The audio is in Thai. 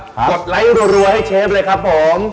กดไลค์รัวให้เชฟเลยครับผม